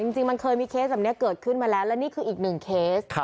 จริงมันเคยมีเคสแบบนี้เกิดขึ้นมาแล้วและนี่คืออีกหนึ่งเคส